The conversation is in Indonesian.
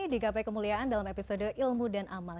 di gapai kemuliaan dalam episode ilmu dan amal